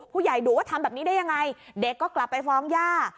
ดุว่าทำแบบนี้ได้ยังไงเด็กก็กลับไปฟ้องย่า